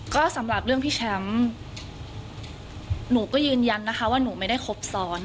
ก็สำหรับเรื่องพี่แชมป์หนูก็ยืนยันนะคะว่าหนูไม่ได้ครบซ้อน